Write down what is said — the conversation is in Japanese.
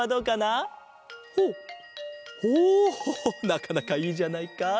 なかなかいいじゃないか。